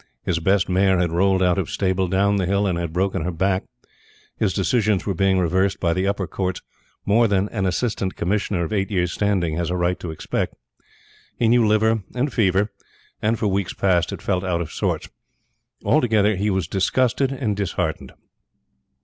His best mare had rolled out of stable down the hill and had broken her back; his decisions were being reversed by the upper Courts, more than an Assistant Commissioner of eight years' standing has a right to expect; he knew liver and fever, and, for weeks past, had felt out of sorts. Altogether, he was disgusted and disheartened.